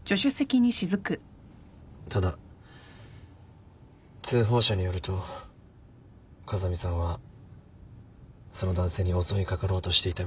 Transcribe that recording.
ただ通報者によると風見さんはその男性に襲い掛かろうとしていたみたいだ。